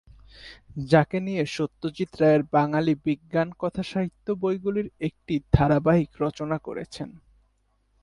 যাকে নিয়ে সত্যজিৎ রায়ের বাঙালি বিজ্ঞান কথাসাহিত্য বইগুলির একটি ধারাবাহিক রচনা করেছেন।